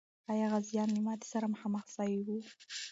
آیا غازیان له ماتي سره مخامخ سوي و؟